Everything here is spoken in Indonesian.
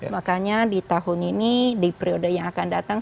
makanya di tahun ini di periode yang akan datang